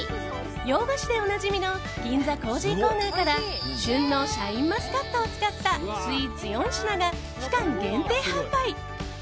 洋菓子でおなじみの銀座コージーコーナーから旬のシャインマスカットを使ったスイーツ４品が期間限定販売。